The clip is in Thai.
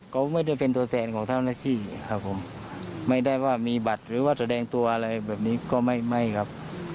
เขาไม่ได้เป็นตัวแทนของเจ้าหน้าที่ครับผมไม่ได้ว่ามีบัตรหรือว่าแสดงตัวอะไรแบบนี้ก็ไม่ครับ